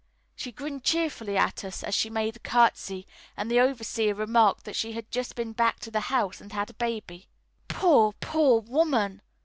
She grinned cheerfully at us as she made a curtesy, and the overseer remarked that she had just been back to the house and had a baby. "Poor, poor woman!"